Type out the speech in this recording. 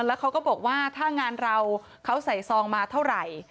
แล้วเขาก็บอกว่าถ้างานเราเขาใส่ซองมาเท่าไหร่